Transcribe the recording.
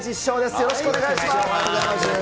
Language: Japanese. よろしくお願いします。